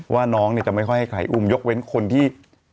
ว่าน้องเนี่ยจะไม่ค่อยให้ใครอุ้มยกเว้นคนที่